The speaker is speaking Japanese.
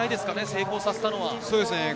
成功させたのは。